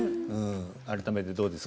改めてどうですか